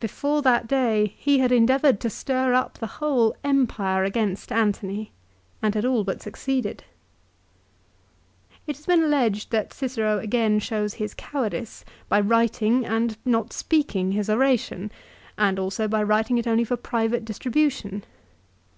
Before that day he had endeavoured to stir up the whole Empire against Antony, and had all but succeeded. It has been alleged that Cicero again shows his cowardice by writing and not speaking his oration, and also by writing it only for private distribution.